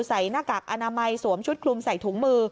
หน้ากากอนามัยสวมชุดคลุมใส่ถุงมือ